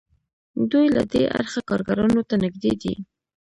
دوی له دې اړخه کارګرانو ته نږدې دي.